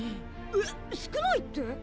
えっ少ないって？